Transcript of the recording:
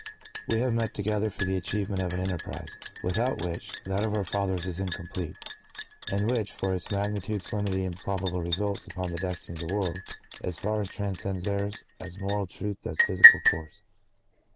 (¶ 2) We have met together for the achievement of an enterprise, without which, that of our fathers is incomplete, and which, for its magnitude, solemnity, and probable results upon the destiny of the world, as far transcends theirs, as moral truth does physical force.